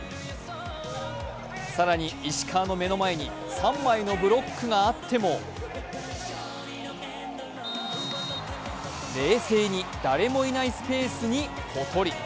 更に石川の目の前に三枚のブロックがあっても冷静に、誰もいないスペースにぽとり。